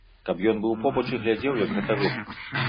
Каб ён быў побач і глядзеў, як гэта робіцца.